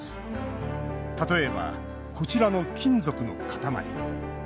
例えば、こちらの金属の塊。